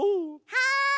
はい！